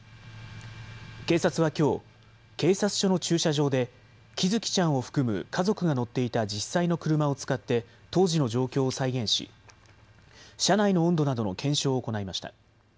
警察はきょう警察署の駐車場で喜寿生ちゃんを含む家族が乗っていた実際の車を使って当時の状況を再現し車内の温度などの検証を行いました。